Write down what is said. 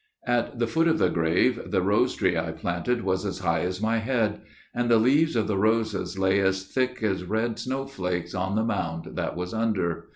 At the foot of the grave the rose tree I planted Was as high as my head. And the leaves of the roses Lay as thick as red snow flakes on the mound that was under.